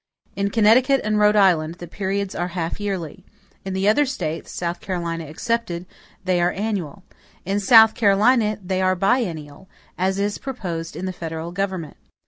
In Connecticut and Rhode Island, the periods are half yearly. In the other States, South Carolina excepted, they are annual. In South Carolina they are biennial as is proposed in the federal government.